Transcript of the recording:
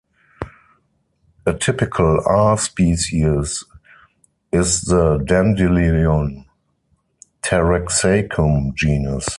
A typical "r" species is the dandelion "Taraxacum" genus.